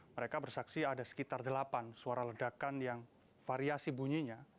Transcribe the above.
mereka bersaksi ada sekitar delapan suara ledakan yang variasi bunyinya